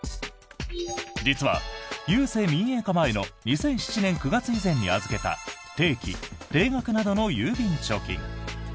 実は、郵政民営化前の２００７年９月以前に預けた定期、定額などの郵便貯金。